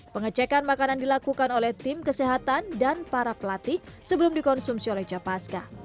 pengecekan makanan dilakukan oleh tim kesehatan dan para pelatih sebelum dikonsumsi oleh capaska